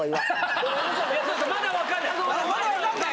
まだ分かんない！